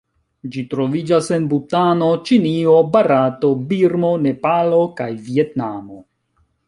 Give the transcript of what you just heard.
Ĝi troviĝas en Butano, Ĉinio, Barato, Birmo, Nepalo kaj Vjetnamo.